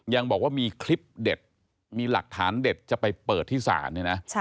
ยังบอกว่ามีคลิปเด็ดมีหลักฐานเด็ดจะไปเปิดที่ศาลเนี่ยนะ